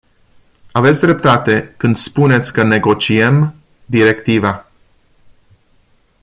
Aveți dreptate când spuneți că negociem directiva.